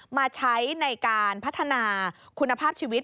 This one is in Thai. มาใช้ในการพัฒนาคุณภาพชีวิต